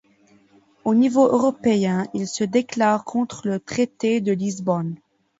Au niveau européen, ils se déclarent contre le traité de Lisbonne.